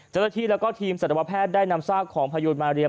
เจ้าหน้าที่แล้วก็ทีมสัตวแพทย์ได้นำซากของพยูนมาเรียม